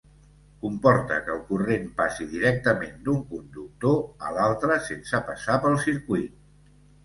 Comporta que el corrent passi directament d'un conductor a l'altre sense passar pel circuit.